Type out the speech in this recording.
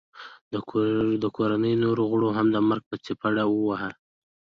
د کوړنۍ نورو غړو هم د مرګ په څپېړه وه وهي